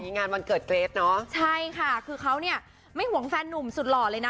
งานวันเกิดเกรทเนอะใช่ค่ะคือเขาเนี่ยไม่ห่วงแฟนนุ่มสุดหล่อเลยนะ